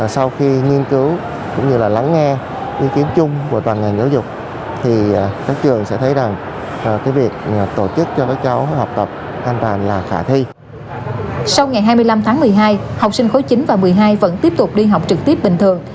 sau ngày hai mươi năm tháng một mươi hai học sinh khối chín và một mươi hai vẫn tiếp tục đi học trực tiếp bình thường